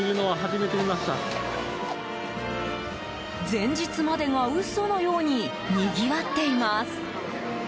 前日までが嘘のようににぎわっています。